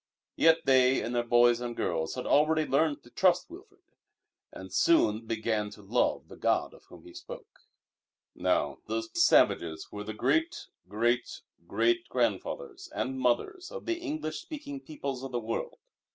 Yet they and their boys and girls had already learned to trust Wilfrid, and soon began to love the God of Whom he spoke. Now, those savages were the great, great, great grandfathers and mothers of the English speaking peoples of the world.